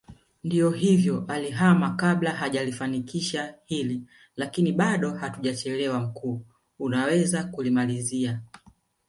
Ndio hivyo alihama kabla hajalifanikisha hili lakini bado hatujachelewa mkuu unaweza kulimalizia